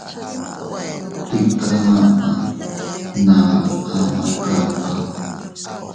Tika aʼa naa ama kaka.